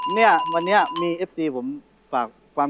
เนี่ยวันนี้มีเอฟซีผมฝากความคิดถึงพี่๒คนมาด้วย